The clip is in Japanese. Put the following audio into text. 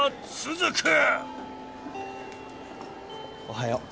おはよう。